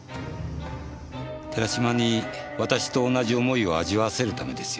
寺島に私と同じ思いを味わわせるためですよ。